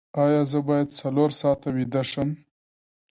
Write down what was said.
ایا زه باید څلور ساعته ویده شم؟